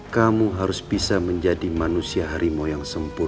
kamu harus bisa menjadi manusia harimau yang sempurna